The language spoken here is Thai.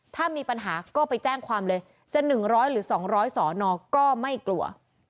ถ้ามีปัญหาก็ไปแจ้งความเลยจะหนึ่งร้อยหรือสองร้อยสอนอก็ไม่กลัว